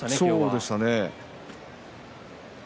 そうでしたね。